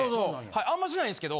あんましないんですけど。